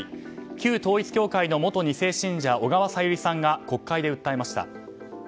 旧統一教会の元２世信者小川さゆりさんが国会で訴えました。